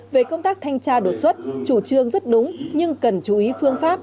về công tác thanh tra đột xuất chủ trương rất đúng nhưng cần chú ý phương pháp